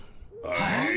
はい？